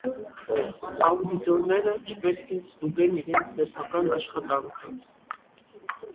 Աուդիտորները չպետք է ստուգեն իրենց սեփական աշխատանքը։